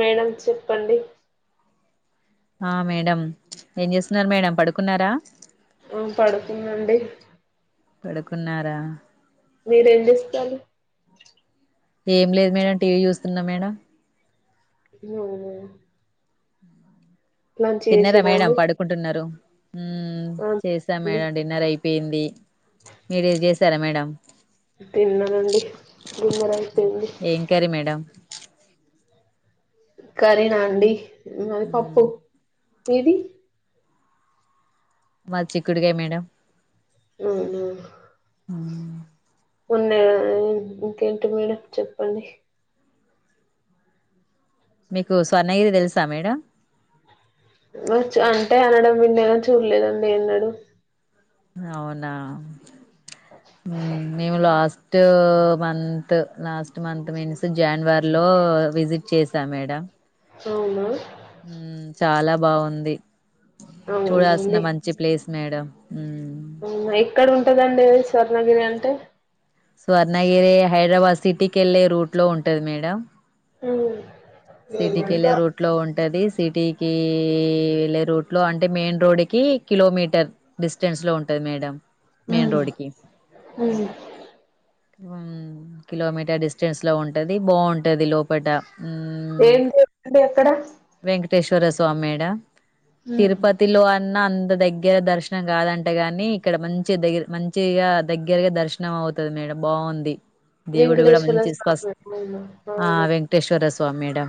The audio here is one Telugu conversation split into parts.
మేడం చెప్పండి ఆ మేడం ఏం చేస్తున్నారు మేడం పడుకున్నారా ఆ పడుతుందండి పడుకున్నారా మీరు ఎం చేస్తారు ఏం లేదు మేడం టీవీ చూస్తున్నా మేడం ఉమ్ తిన్నారా మేడం పడుకుంటున్నారు ఉమ్ ఆ చేశాం తిన్నానండి మేడం డిన్నర్ అయి పోయింది మీరు ఏది చే సరే మేడం తిన్నానండి గుమ్మర అయిపోయింది. ఏం కర్రీ మేడం కరినాండి మాది మ్మ్ పప్పు ఏది మాది చిక్కుడికాయ మేడం ఉహు ఆ ఉన్నాయి మెమ్ ఇంకేంటి మేడం చెప్పండి. మీకు స్వర్ణగిరి తెలుసా మేడం మ చా అంటే అనడం విన్నా చూడలేదండి ఎన్నడు అవునా ఊ మేము last two month last month means జనవరి లో విజిట్ చేసా మేడం. అవునా ఊ చాలా బావుంది. చూడాల్సిన అవునండి మంచి ప్లేస్ మేడం ఊ ఊ ఎక్కడ ఉంటదండి అది స్వర్ణగిరి అంటే స్వర్ణగిరి హైదరాబాద్ సిటీకి వెళ్లే రూట్ లో ఉంటది మేడం. ఊ సిటీకెళ్లే రూట్ లో ఉం ఉంటది సిటీకి వెళ్ళే రూట్ లో అంటే మెయిన్ రోడ్ కి కిలోమీటర్ డిస్టెన్స్ లో ఉంటంది మేడం. ఊ మెయిన్ రోడ్ ఊ ఉ కిలోమీటర్ డిస్టెన్స్ లో ఉంటది బావుంటది లోపట ఊ ఏంది అంటే ఎక్కడ? టేశ్వర స్వామియడా తిరుపతిలో అ న్న అంత దగ్గర దర్శనం కాదంటే గాని, ఇక్కడ మంచి దగ్గ మంచిగా దగ్గరగా దర్శనం అవుతుది మేడం బావుంది. వెంకటేశ్వర స్నానము ఎట్లుందో అవునా స్వామ్మెడ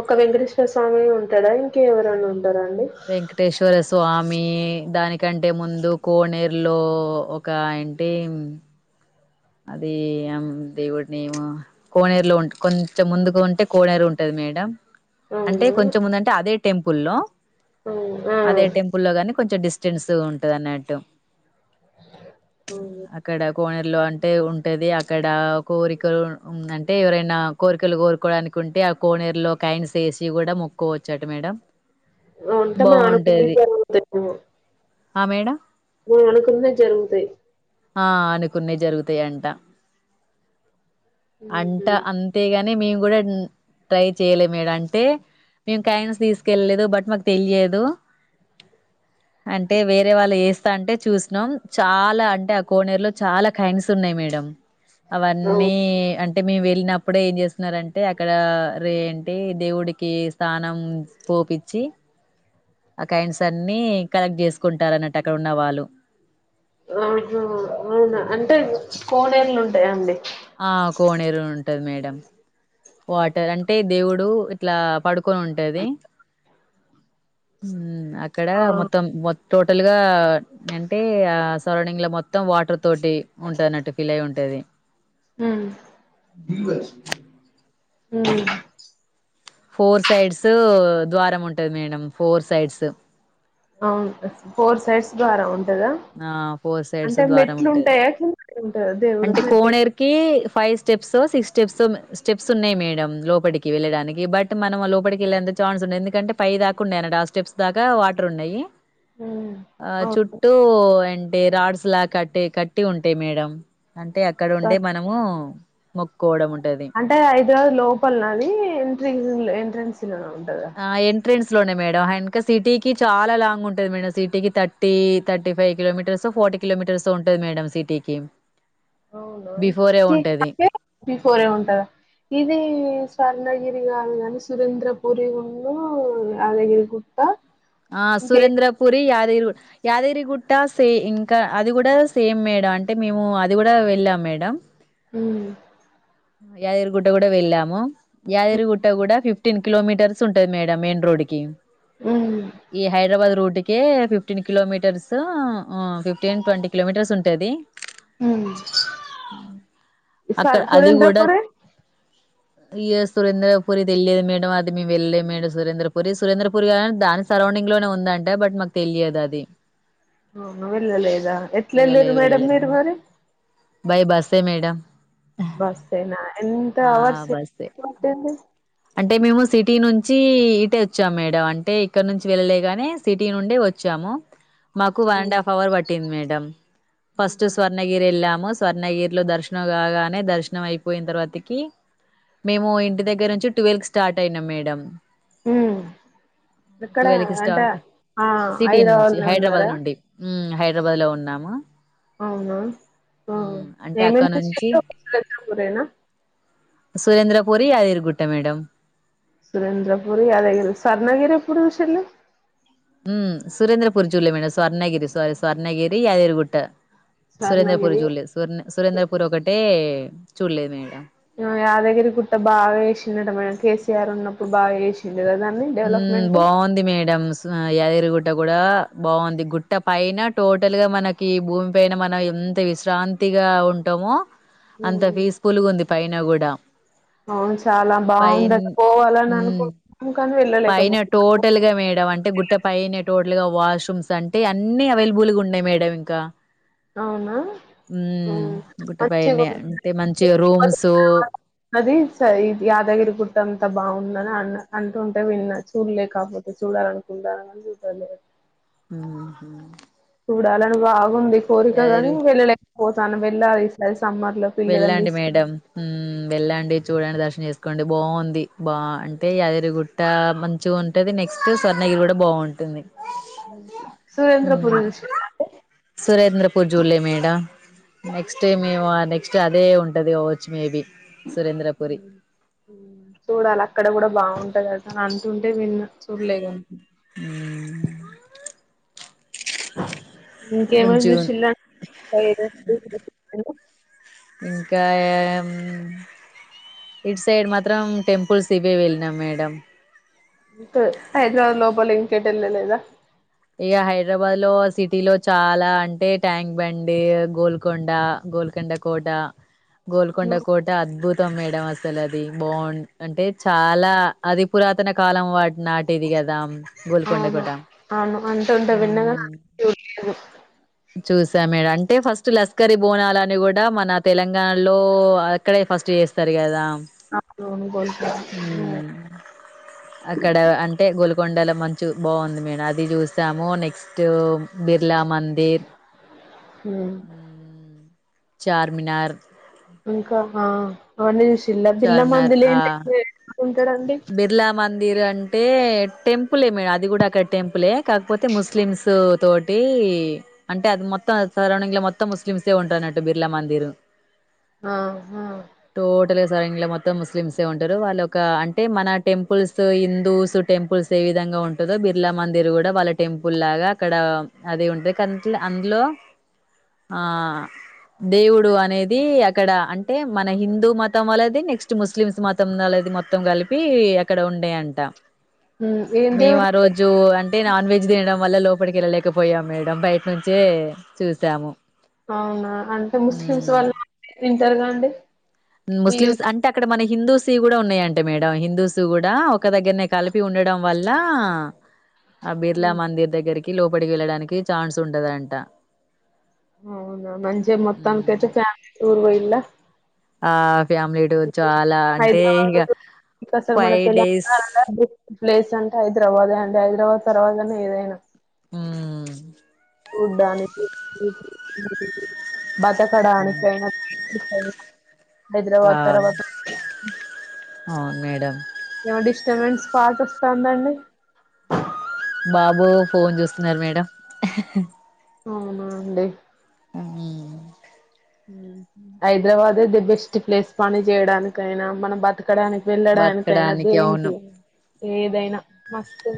ఒక వెంకటేశ్వర స్వామి ఉంటాడా ఇంకెవరైనా ఉ వెంకటేశ్వర స్వా మీ దానికంటే ముందు కోనేరులో ఒక ఏంటి అది ఆమ్ దేవుడినిము కోనేరులో ఉంట కొంచెం ముందుకు ఉంటే కోనేరు ఉంటది మేడం. అంటే అవునా కొంచెంముందంటే అదే టెంపుల్లో, ఆ అదే టెంపుల్లో గాని కొంచెం డిస్ జన్సు ఉంట అన్నట్టు చ్ అక్కడ కోనర్లో అంట్ అంటే ఉంటుది అక్కడ కోరికలు ఉ అంటే ఎవరైనా కోరికలు కోరుకోవడానికి ఉంటే ఆ కోనేరులో కైన్స్ వేసి కూడా మొక్కోవచ్చు ఉంటే మనం అనుకుంద బాగుంటది జరుగుతాయి మ ఆ మేడం మం అనుకుంద జరుగుతాయి అదే అంట. ఉహు అంట అంతేగాని మేము. అప్పుడు ట్రై చేయలేదు మేం అంటే మేం కాయిన్స్ తీసుకెళ్లలేదు బట్ మాకు తెలియదు. అంటే వేరే వాళ్ళు ఎస్తంటే చూసిన చాలా అంటే ఆ కోనేరులో చాలా కాయిన్స్. వస్తున్నాయి మేడం అవు అవన్నీ అంటే అంటే మేము వెళ్ళినప్పుడే ఏం చేస్తున్నరంటే అక్కడ రే ఏంటి దేవుడికి స్నానం పోపిచ్చి ఆ కైన్స్ అన్ని కలెక్ట్ చేసుకుంటారన్నట్టు అక్కడ ఉన్న వాళ్ళు. ఆహా అవునా అంటే కోనేళ్లుు ఉంటాయండి ఆ కోనేరు ఉంటది మేడం వాటర్ అంటే దేవుడు ఇట్లా పడుకొని ఉంటది అక్కడ ఆ మొత్తం మొత్త టోటల్ గా అని అంటే ఆ సరౌండింగ్ లో మొత్తం వాటర్ తోటి ఉంటదన్నట్టు ఫిల్ అయి ఉంటది. హ హ ఫోర్ సైడ్స్ ద్వారం ఉంటది మేడం ఫోర్ సైడ్స్ అవును ఫోర్ సైడ్స్ ద్వారా ఉ దా ఆ ఫోర్ సైడ్స్ అంటే ద్వారం మెట్లు ఉంటది ఉంటాయా క ఉంటా కా అంటే కోనేరుకిి five steps six steps steps ఉన్నయి మేడం లోపటికి వెళ్ళడానికి బట్ మనం లోపటికి వెళ్ళంత ఛాన్స్ ఉండదు. ఎందుకంటే పై దాకా ఉన్నాయన్నటు ఆ స్టెప్స్ దాకా వాటర్ ఉన్నయి. హ్మ్ ఆ అవును చుట్టూ అంటే రాడ్స్ లా కట్టి కట్టి ఉంటయి మేడం. అంటే అక్కడ ఉండే సరే మనము మొక్కోడ మున్ అంటే హైదరాబాద్ లోపలనా అది ఎంట్రి [inaudible] ట్రెన్స్ లో ఆ ఎంట్రెన్స్ లోనే మేడం ఆయనకి సిటీకి చాలా లాంగ్ ఉంటది మేడం సిటీకి thirty thirty five kilometres forty kilometres ఉంటది మేడం సిటీకి అవునా బిఫోరే ఉంటది. [inaudible] బిఫోరే ఉంటదా ఇది స్వర్ణ ఇది కాదు గానీ సురంద్రపురి ను యాదగిరిగుట్ట ఆ సురేంద్రపురి యా [unintelligible] యాదగిరిగుట్ట సే ఇంకా అది కూడా సేమ్ మేడం అంటే మేము అది కూడా వెళ్ళాం మేడం హు యాదగిరిగుట్ట కూడా వెళ్ళాము యాదగిరిగుట్ట కూడా ఫిఫ్టీన్ కిలోమీటర్స్ ఉంటది మేడం మెయిన్ రోడ్ కి హ్మ్ హైడ్రాబాద్ రూటుకే ఫిఫ్టీన్ కిలోమీటర్సు ఊ ఫిఫ్టీన్ ట్వంటీ కిలోమీటర్స్ ఉంటుంది సర్ సురేంద్రపురి ఇయ సురేంద్రపుూరి తెలిదు మేడం అది మేము వెళ్ళలేము మేడం సురేంద్రపుూరి సురేంద్రపుూరి కా దానికి సరౌండింగ్ లోనే ఉందంటే బట్ మాకు తెలియదు అది ఆ వెళ్ళలేదా వెళ్ళలే ఎట్లలిరు మేడమ్ వెళ్ళలే మీరు మరి బై బసే మేడంమ్ బస్ేనా ఎంత అర్స్ంది బస్సే అంటే మేము సిటీ నుంచి ఇటే వచ్చాం మేడం అంటే ఇక్కడ నుంచి వెళ్ళలేగానే సిటీ నుండడి వచ్చాము మాకు వన్ అడ్ అవును హఫ్ అవర్ పట్ టిన్ మేడం ఫస్ట్ స్వర్ణగిరి ఎలా స్వర్ణగిరిలో దర్శనం కాగానే దర్శనం అయిపోయిన తర్వాతకి మేము ఇంటి దగ్గర నుంచి ట్వెల్వ్ స్టార్ట్ అయినాం మేడం ఇక్కడ ట్వెల్వ్ కి అంటే స్టార్ట్ ఆ సిటీ నుంచి హైదరాబాద్ హైదరాబాద్ ఉన్నారా నుండి హైదరాబాద్ లో ఉన్నాము అవునా ఉమ్ అంటే ఏేమేం అక్కడ చెరేనా సురేంద్ర పూరి ారురుగుట్ట మేడ సురేంద్రపూర్ యాదగిరి సర్ణగిరి ఎప్పుడు విషలు సుేంద్రపుూరి జిలే మేడం స్వర్ణగిరి సీ స్వర్ణగిరి యాదేరుగుట్ట సురేంద్రపూర్ స్వర్ణగిరి జూలే సుర సురేంద్రపూర్ ఒకటే చూలేే మేడం యాదాగిరి గుట్ట బాగా వసిందడు మే కేసీఆర్ ఉన్నప్పుడు బాగా చేసి ఉ బాగుంది మేడం ఎదిరిగుట్ట కూడా బాగుంది గుట్ట పైన టోటల్గా మనకి భూమి పైన మనం ఎంత విశ్రాంతిగా ఉంటామో అంత హ్మ్ ఫీజ పులుగు ఉంది పైన కూడాడ అవును చాలా బాగుంద పోవాలని ఉమ్ అనుకుంటున్నాం కానీ పైన వెళ్ళలేకపో టోటల్ గా వేడం అంటే గుట్ట పైన టోట అట్ వాష్రూమ్స్ అంటే అన్ని అవైలబుల్ గా ఉన్నాయి మేడ ఇంకా అవునా ఉమ్ గుట్టపైనే మంచిగా అంటే మంచిగా రూమ్స్ అది స యాదగిరి గుట్ట అంత బాగుందని అన్న అంటూ ఉంటే విన్నా చూడలే కాపోతే చూడాల అనుకుంటని చూడాల హ డాలన్ బావ్ ఉంది కోరిక గాని అదేరు వెళ్ళలే ఒసన్ విల్లా రిసార్ట్స్ వెళ్ళండి మేడం మ్మ్ వెళ్ళండి చూడండి దర్శనం చేసుకోండి బాంది బా అంటే యాదగిరిగుట్ట మంచిగా ఉంటుంది నెక్స్ట్ స్వర్ణగిరి కూడా బాగుంటుంది సురేంద్రపురి చూసిండ్రా అండి పుర్జులే మేడ నెక్స్ట్ డే మేమ నెక్ క్స్ట్ అదే ఉంటది ఓచ్ మేబీ చూడాలి అక్కడ గూడా బాగుంటాంది అంటా తుంటే విన్న చూడలేగాన్ మ్మ్ ఇంకేమన్ జూసింద [inaudible] ఇంకా ఆహ్ మ్మ్ ఇటు సైడ్ మాత్రం టెంపుల్స్ ఇవే వెళ్ళినాం మేడం మితొ హైదరాబాద్ లోపల ఇంకేట్ ఎళ్ళలేదా ఈ హైదరాబాద్ లో సిటీ లో చాలా అంటే ట్యాంక్ బండి గోల్కొండ గోల్కొండ కోట గోల్కొండ కోట అద్భుతం మేడం అస్సల్ అ ది బోన్ అంటే చాలా అది పురాతన కాలం వాట్ నాటిది గదా గోల్కొండ అవును కోట అవును అంటుటే విన్నగద ఉమ్ చూడు చూసా మేడ అంటే ఫస్ట్ లస్కరి బోనాలని గుడా మన తెలంగాణలో అక్కడే ఫస్ట్ చేస్తార్ గదా అవును గోల్కొండ మ్మ్ అక్కడ ఆహ్ అంటే గోలు కొండల మంచు బాంది మేడ్ అది జూసాము నెక్స్ట్ బిర్లా మ హ్మ్ హ్మ్. చార్మినార్ ఆహ్ అనీష్ చిల్ల పిల్ల చార్మినార్. ఆ! మందులేంటే యే ఉంటాడండి దిర్ అంటే టెంపులే మేడ్ అది గుడా అక్కడ కాకపోతే ముస్లిమ్స్ తోటి అంటే అది మొత్తం సరౌండింగ్ లో మొత్తం ముస్లిమ్సే ఉంటన్నట్టు బిర్లా మందిర్ ఆహ్ హా జయిగ్ మొత్తం ముస్లిమ్సే ఉంటరు వాళ్ళు ఒక అన్ టే మన టెంపుల్స్ హిందూస్ టెంపుల్స్ యే విధంగా ఉంటదో బిర్లా మందిర్ గూడా వాళ్ళ టెంపుల్ లాగా అక్కడ అది ఉంటది కాన్కిల్ అందులో ఆహ్ దేవుడు అనేది అక్కడ అంటే మన హిందూ మతం వాళ్ళది నెక్స్ట్ ముస్లింస్ మతం నోళ్ళది మొత్తం గలిపి గలిప్ ప్పి అక్కడ ఉండేయంట ఉమ్ ఏం మేము దేవుడు ఆ రోజు అంటే నాన్ వెెజ్ తినడం వల్ల లోపలికి వెళ్ళలేకపోయాం మేడం బయట నుంచే చూసాము అవునా అంటే ముస్లిమ్స్ హ్మ్. వాళ్ళ తింటారుగా అండి మీ ముస్లిమ్స్ అంటే అక్కడ మన హిందూ కూడా ఉన్నాయంటే మేడం హిందూస్ కూడా ఒక దగ్గరనే కలిపి ఉండడం వల్ల ఆ బిర్లా ఉమ్ మందిర్ దగ్గరికి లోపలికి వెళ్ళడానికి ఛాన్స్ ఉంటదంట అవునా మంచి మొత్తాంకైతే హ్మ్ ఫ్యామిలీ టూర్ వయి లా ఆ ఫ్యామిలీ టూర్ చాలా అంటే ఇగ హైదరాబాద్స ఫైవ్ డేస్ ప్లేస్ అంటే హైదరాబాద్ అ ర తర్వాతనే ఏదైనా హ ఉడ్డానికి బాత కడా అవును అనిక్కైనా ఆ హైదరాబాద్ తర్వాతడి అవును మేడం మెంట్స్ పాట వస్తాందండి బాబు ఫోన్ చూస్తున్నారు మేడం అవునా అంటడి అ హైదరాబాదే ది బెస్ట్ ప్లేస్ పని చేయడానికైనా మన బతు ఎక్కడానికి వెళ్ళడానికయినా బతకడానికి అవును దేనికి ఏదైనా మస్తు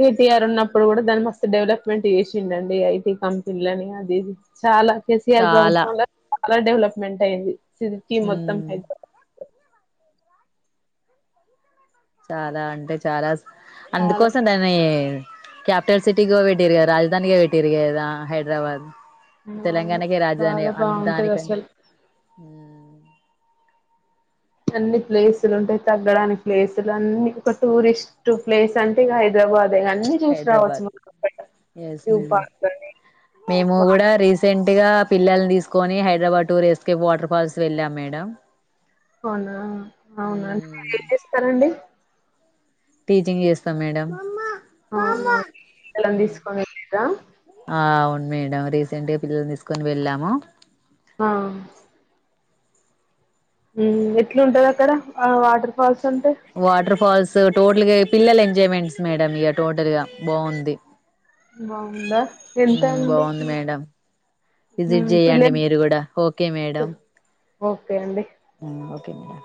కేటీఆర్ ఉన్నప్పుడు కూడా దాన్ని మస్తు డెవలప్మెంట్ చేసిండ అండి ఐటీ కంపెనీల అని అది చాలా ఎసిఆరు చాలా బ చాలా డెవలప్మెంట్ అయింది సిటీ మొత్తం హ్మ్ హైదరాబాద్ చాలా అంటే చాలా చాలా అందుకోసం దాన్ని క్యాపిటల్ సిటీ గబటిరిగా రాజధాగాబటిరిగదా హైదరాబాద్ అవును తెలంగాణకే రాజధాని చాలా బాగుంటది అందానికంటే అసలు ఆ అన్ని ప్లేసులు ఉంటాయి తగ్గడానికి ప్లేసులు అన్ని ఒక టూరిస్ట్ ప్లేస్ అంటే ఇక హైదరాబాద్ హైడ్రాబాద్ ఎస్ జూ మేడం పార్క్ అని మేము కూడా రీసెంట్ గా, పిల్లల్ని తీసుకొని హైదరాబాద్ టూర్స్కేప్ వాటర్ ఫాల్స్ వెళ్ళాం మేడం అవునా అవునా మ్మ్. మీరు ఏం చేస్తారండి టీచింగ్ చేస్తా మేడం హ అవునా పిల్లలని తీసుకొని వెళ్ళిరా ఆ అవును మేడం రీసెంట్ గా పిల్లని తీసుకొని వెళ్ళాము ఆ మ్మ్ ఎట్లుంటది అక్కడ ఆ వాటర్ ఫాల్స్ అంటే వాటర్ ఫాల్స్ టోటల్ గా పిల్లల ఎంజాయ్మెంట్స్ మేడం ఇక టోటల్ గా బాగుంది బావుందా ఎంత అండి బాగుంది మేడం విజిట్ హ్మ్ జేయండి పిల్లలు మీరు కూడా ఓకే మేడం ఓకే అండి ఓకే మేడం